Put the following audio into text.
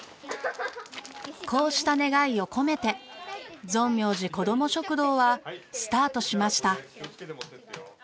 こうした願いを込めてぞんみょうじこども食堂はスタートしました。